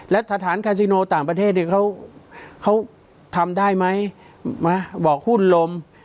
แล้วสถานคาซิโนต่างประเทศเนี่ยเขาทำได้ไหมบอกหุ้นลม